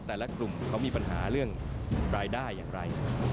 แต่ละกลุ่มเขามีปัญหาเรื่องรายได้อย่างไร